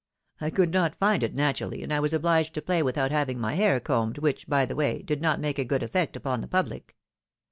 I could not find it, naturally, and I w'as obliged to play without having my hair combed, which, by the way, did not make a good effect upon the public.